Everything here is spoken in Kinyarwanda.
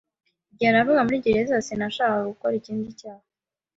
Igihe navaga muri gereza, sinashakaga gukora ikindi cyaha.